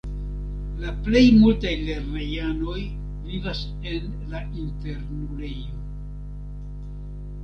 La plej multaj lernejanoj vivas en la internulejo.